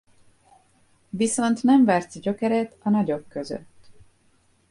Viszont nem vert gyökeret a nagyok között.